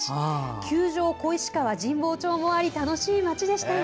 球場、小石川、神保町もあり楽しい街でした。